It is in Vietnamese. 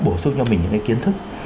bổ xuống cho mình những cái kiến thức